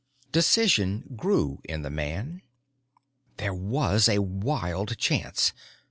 Decision grew in the man. There was a wild chance.